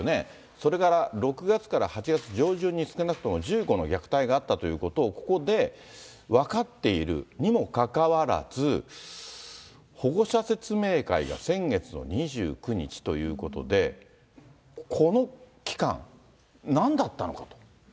それから６月から８月上旬に、少なくとも１５の虐待があったということを、ここで分かっているにもかかわらず、保護者説明会が先月の２９日ということで、この期間、なんだったのかと。